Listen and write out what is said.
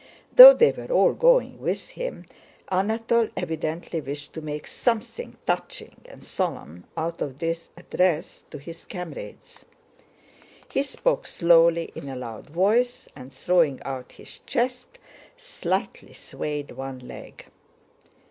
Though they were all going with him, Anatole evidently wished to make something touching and solemn out of this address to his comrades. He spoke slowly in a loud voice and throwing out his chest slightly swayed one leg.